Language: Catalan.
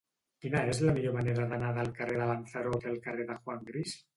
Quina és la millor manera d'anar del carrer de Lanzarote al carrer de Juan Gris?